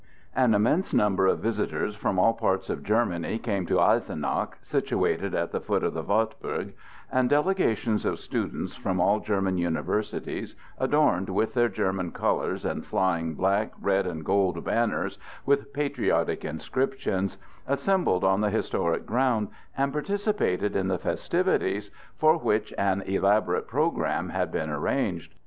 An immense number of visitors from all parts of Germany came to Eisenach, situated at the foot of the Wartburg, and delegations of students from all German universities, adorned with their German colors and carrying black, red and gold banners with patriotic inscriptions, assembled on the historic ground and participated in the festivities, for which an elaborate programme had been arranged.